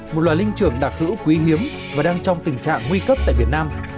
một loài linh trưởng đặc hữu quý hiếm và đang trong tình trạng nguy cấp tại việt nam